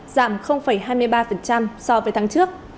giảm hai mươi ba so với tháng trước